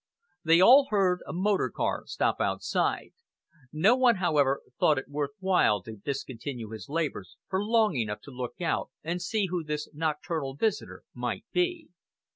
They all heard a motor car stop outside. No one, however, thought it worth while to discontinue his labours for long enough to look out and see who this nocturnal visitor might be.